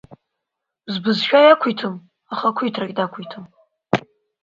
Збызшәа иақәиҭым ахақәиҭрагь дақәиҭым.